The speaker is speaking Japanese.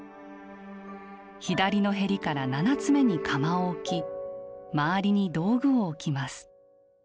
左の縁から７つ目に釜を置き周りに道具を置きます。